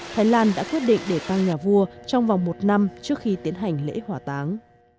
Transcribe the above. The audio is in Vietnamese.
thái lan đã quyết định để tăng nhà vua trong vòng một năm trước khi tiến hành lễ hỏa táng